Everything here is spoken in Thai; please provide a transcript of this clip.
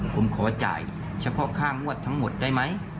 ผมขอจ่ายเฉพาะค่างวดทั้งหมดได้ไหม